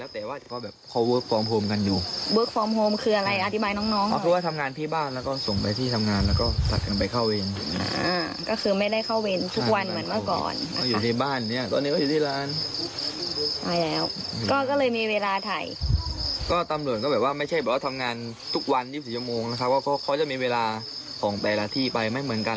ทุกวันวิวสุดิยังโมงนะครับก็ค่อยก็จะมีเวลาของแต่ละที่ไปไม่เหมือนกัน